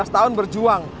sembilan belas tahun berjuang